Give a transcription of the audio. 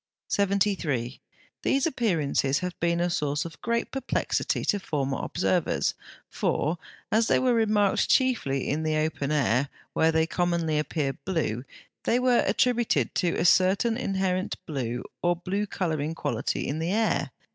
73. These appearances have been a source of great perplexity to former observers: for, as they were remarked chiefly in the open air, where they commonly appeared blue, they were attributed to a certain inherent blue or blue colouring quality in the air.